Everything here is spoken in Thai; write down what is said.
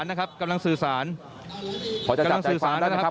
ตอนนี้คุณนัทฮุทธกำลังสื่อสารนะครับ